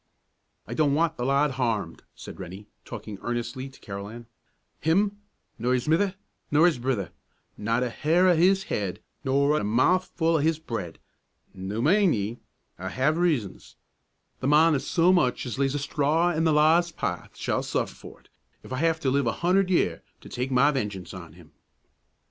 "I don't want the lad harmed," said Rennie, talking earnestly to Carolan, "him, nor his mither, nor his brither; not a hair o' his head, nor a mou' ful o' his bread, noo min' ye I ha' reasons the mon that so much as lays a straw i' the lad's path shall suffer for't, if I have to live a hunder' year to tak' ma vengeance o' him!"